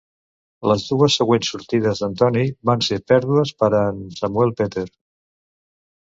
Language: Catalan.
Les dues següents sortides d'en Toney van ser pèrdues per a en Samuel Peter.